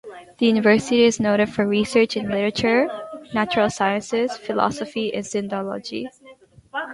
The university is noted for research in literature, natural sciences, philosophy, and Sindhology.